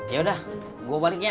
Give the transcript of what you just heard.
yaudah gua balik ya